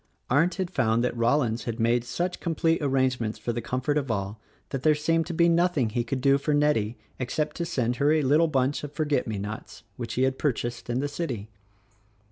Arndt had found that Rollins had made such com plete arrangements for the comfort of all that there seemed to be nothing 'he could do for Nettie except to send her a little bunch of forget me nots which he had purchased in the city.